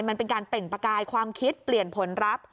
มันเป็นการเปล่งประกายความคิดเปลี่ยนผลลัพธ์